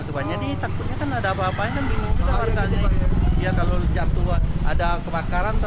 jadi takutnya kan ada apa apa yang bingung kita warganya